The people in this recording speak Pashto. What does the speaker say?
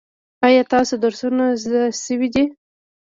ایا ستاسو درسونه زده شوي دي؟